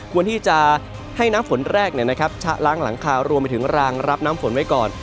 ควรที่จะให้น้ำฝนแรกชะล้างหลังคารวมไปถึงรางรับน้ำฝนไว้ก่อน